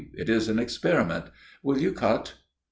It is an experiment. Will you cut?"